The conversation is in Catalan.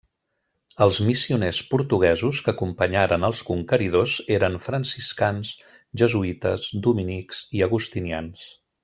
Els missioners portuguesos que acompanyaren els conqueridors eren franciscans, jesuïtes, dominics i agustinians.